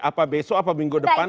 apa besok apa minggu depan